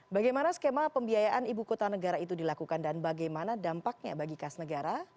bagaimana skema pembiayaan ibu kota negara itu dilakukan dan bagaimana dampaknya bagi kas negara